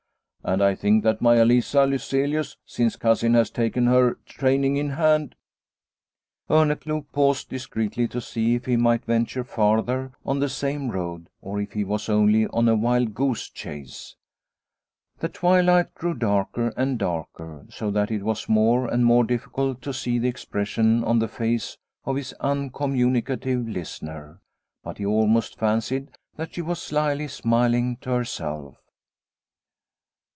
And I think that Maia Lisa Lyselius, since Cousin has taken her training in hand " Orneclou paused discreetly to see if he might venture farther on the same road or if he was only on a wild goose chase. The twilight grew darker and darker, so that it was more and more difficult to see the expression on the face of his uncommunicative listener, but he almost fancied that she was slyly smiling to herself.